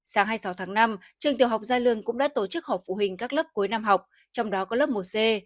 sáng hai mươi sáu tháng năm trường tiểu học giai lương cũng đã tổ chức học phụ huynh các lớp cuối năm học trong đó có lớp một c